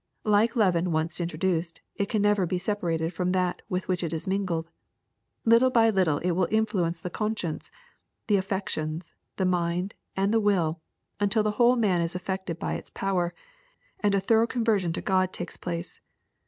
Like leaven once introduced, it can never be separated from that with which it is mingled. Little by little it will influence the conscience, the afiections, the mind, and the will, until the whole man is affected bv its power, and a thorough conversion to God takes place.